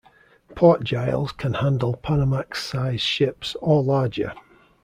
Port Giles can handle Panamax size ships or larger.